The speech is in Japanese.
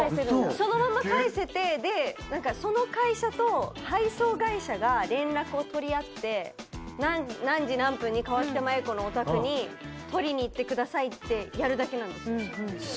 そのまんま返せてでその会社と配送会社が連絡を取り合って何時何分に河北麻友子のお宅に取りに行ってくださいってやるだけなんです。